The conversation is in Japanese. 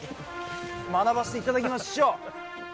学ばしていただきましょう。